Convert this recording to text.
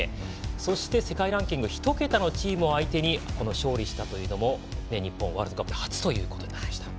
そして世界ランキング１桁のチームを相手に勝利したというのも日本はワールドカップで初となりました。